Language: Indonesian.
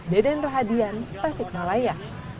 deden rahadian pasik malaya